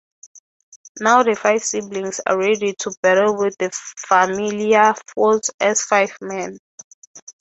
Now the five siblings are ready to battle with the familiar foes as Fiveman.